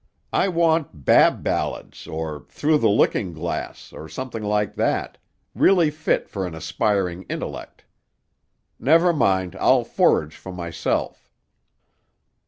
"I want Bab Ballads, or Through the Looking Glass, or something like that, really fit for an aspiring intellect. Never mind. I'll forage for myself."